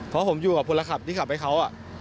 เพราะผมอยู่กับคนละขับที่ขับไว้เขาอ่ะ